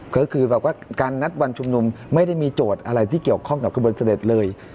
ก็คือแบบว่าการนัดวันชุมนุมไม่ได้มีโจทย์อะไรที่เกี่ยวข้องกับกระบวนเสด็จเลย